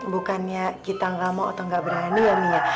bukannya kita enggak mau atau enggak berani ya umi ya